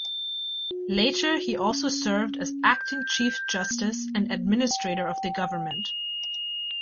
Later he also served as acting Chief Justice and Administrator of the government.